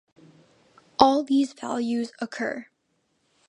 All these values occur.